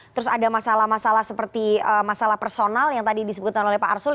terus ada masalah masalah seperti masalah personal yang tadi disebutkan oleh pak arsul